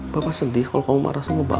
bapak sedih kalau kamu marah sama bapak